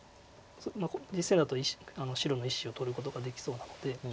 実戦だと白の１子を取ることができそうなので。